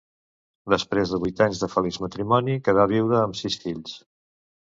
Després de vuit anys de feliç matrimoni, quedà vídua, amb sis fills.